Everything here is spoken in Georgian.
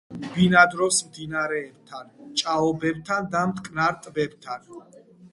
ბინადრობს მდინარეებთან, ჭაობებთან და მტკნარ ტბებთან.